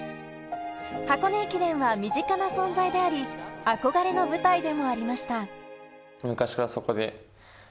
箱根駅伝は身近な存在であり、憧れの舞台でもありました。